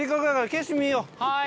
はい！